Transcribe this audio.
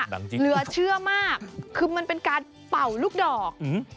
จริงเหลือเชื่อมากคือมันเป็นการเป่าลูกดอก